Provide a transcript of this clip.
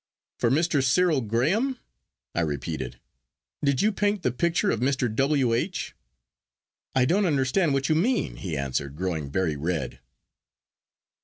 "For Mr. Cyril Graham?" I repeated. "Did you paint the picture of Mr. W. H.?" "I don't understand what you mean," he answered, growing very red.